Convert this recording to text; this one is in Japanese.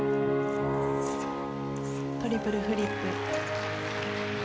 トリプルフリップ。